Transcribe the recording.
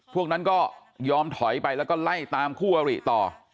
พวกนั้นก็ยอมถอยไปแล้วก็ไล่ตามคู่อริต่อ